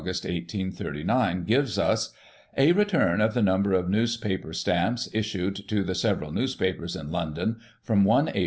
1839, gives us " A return of the number of Newspaper Stamps issued to the several Newspapers in London, from i Ap.